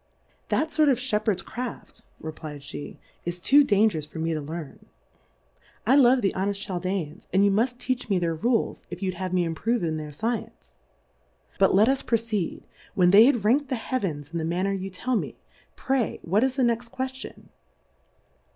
That fort of Shepherd's Craft, Plurality ^/WORLDS. ly Craft, r€flfdfl)e^ is too dangerous for me to learn ; I love tlie honeft CbaU drafts ^ and you muft teach me their Rules, if you'd have me improve in their Science. But let us proceed ; When they had rank'd the Heavens in the Manner you tell me, pray, what is the next Quellion